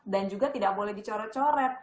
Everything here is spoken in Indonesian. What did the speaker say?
dan juga tidak boleh dicoret coret